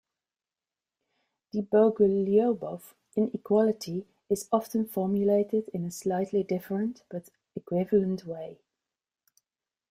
The Bogoliubov inequality is often formulated in a slightly different but equivalent way.